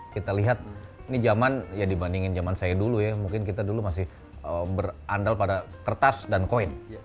kita lihat ini zaman ya dibandingin zaman saya dulu ya mungkin kita dulu masih berandal pada kertas dan koin